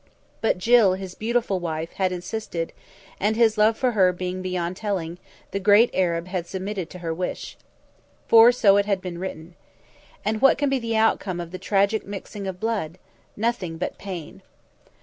But Jill, his beautiful wife, had insisted, and his love for her being beyond telling, the great Arab had submitted to her wish. For so it had been written. And what can be the outcome of the tragic mixing of blood? Nothing but pain.